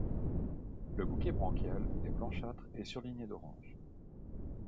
Le bouquet branchial est blanchâtre et surligné d'orange.